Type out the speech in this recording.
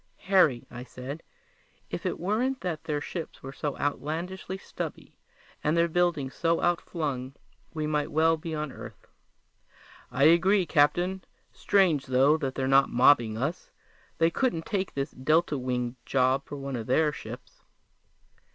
"Harry," I said, "if it weren't that their ships are so outlandishly stubby and their buildings so outflung, we might well be on Earth!" "I agree, Captain. Strange, though, that they're not mobbing us. They couldn't take this delta winged job for one of their ships!"